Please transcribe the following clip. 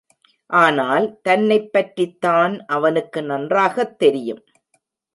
ஆனால், தன்னைப் பற்றித்தான் அவனுக்கு நன்றாகத் தெரியும்.